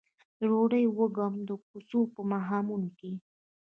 د ډوډۍ وږم د کوڅو په ماښامونو کې